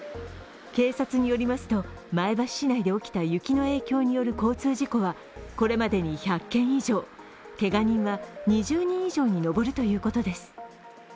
警察によりますと、前橋市内で起きた雪の影響による交通事故はこれまでに１００件以上けが人は２０人以上に上るということです。